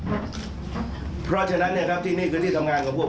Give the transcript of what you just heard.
ปฏิตามภาพบังชั่วมังตอนของเหตุการณ์ที่เกิดขึ้นในวันนี้พร้อมกันครับ